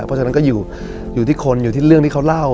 เพราะฉะนั้นก็อยู่ที่คนอยู่ที่เรื่องที่เขาเล่า